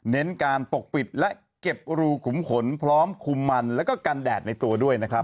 เน้นการปกปิดและเก็บรูขุมขนพร้อมคุมมันแล้วก็กันแดดในตัวด้วยนะครับ